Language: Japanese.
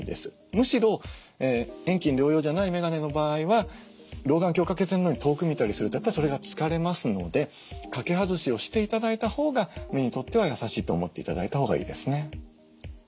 むしろ遠近両用じゃないメガネの場合は老眼鏡を掛けてるのに遠く見たりするとやっぱそれが疲れますので掛け外しをして頂いたほうが目にとっては優しいと思って頂いたほうがいいですね。